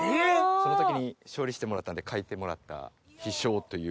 その時に勝利してもらったんで書いてもらった「飛翔」という。